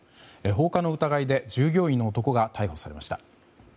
放火の疑いで従業員の男が逮捕されました。